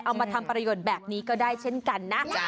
มาทำประโยชน์แบบนี้ก็ได้เช่นกันนะ